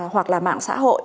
hoặc là mạng xã hội